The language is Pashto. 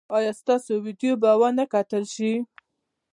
ایا ستاسو ویډیو به و نه کتل شي؟